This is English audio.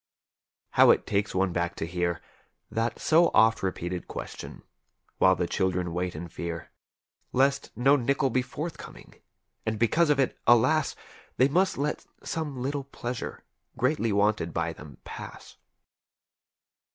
How it takes one back to hear That so oft repeated question, while the children wait in fear Lest no nickel be forthcoming, and because of it, alas. They must let some little pleasure greatly wanted by them pass.